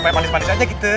supaya manis manis aja gitu